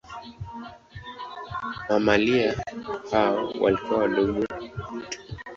Mamalia hao walikuwa wadogo tu.